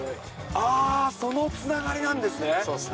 あー、そのつながりなんですそうっすね。